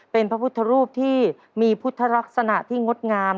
เป็นพระพุทธรูปที่มีพุทธลักษณะที่งดงาม